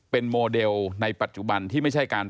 เป็นโมเดลในปัจจุบันที่ไม่ใช่การ